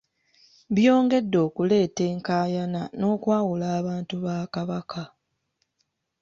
Byongedde okuleeta enkaayana n’okwawula abantu ba Kabaka.